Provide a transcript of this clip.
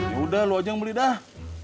yaudah lo aja yang beli dah